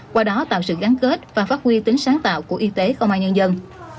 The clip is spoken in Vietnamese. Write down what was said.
qua đó tạo sự gắn kết và phát huy tính sáng tạo của y tế không ai nhân dân